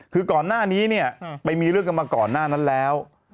คือก่อนหน้านี้เนี่ยไปมีเรื่องกันมาก่อนหน้านั้นแล้ว